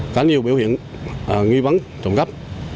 có nhiều biểu hiện nghi vấn trộm cắp